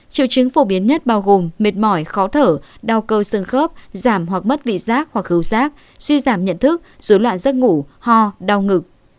triệu chứng phổ biến nhất bao gồm mệt mỏi khó thở đau cơ sương khớp giảm hoặc mất vị giác hoặc hứng rác suy giảm nhận thức dối loạn giấc ngủ ho đau ngực